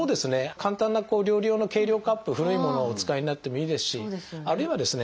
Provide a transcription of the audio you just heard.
簡単な料理用の計量カップ古いものをお使いになってもいいですしあるいはですね